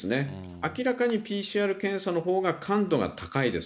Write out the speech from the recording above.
明らかにＰＣＲ検査のほうが感度が高いです。